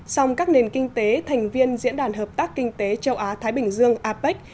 song các nền kinh tế thành viên diễn đàn hợp tác kinh tế châu á thái bình dương apec